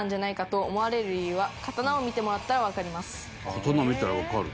刀見たらわかる？